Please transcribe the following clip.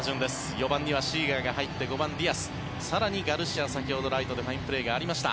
４番にはシーガーが入って５番、ディアス更にガルシア先ほど、ライトでファインプレーがありました。